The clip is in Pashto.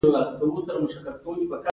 کارکوونکی له شپیته کلونو وروسته تقاعد کیږي.